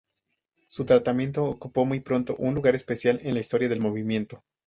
Su tratamiento ocupó muy pronto un lugar especial en la historia del movimiento.